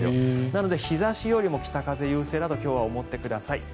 なので日差しよりも北風優勢だと今日は思ってください。